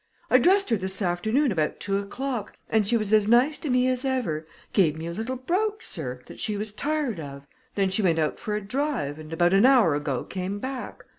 I dressed her this afternoon about two o'clock, and she was as nice to me as ever gave me a little brooch, sir, that she was tired of. Then she went out for a drive, and about an hour ago came back.